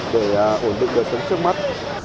để ổn định đời sống trước mắt